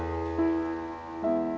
gak ada apa apa